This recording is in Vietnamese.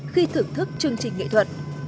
khi thưởng thức chương trình nghệ thuật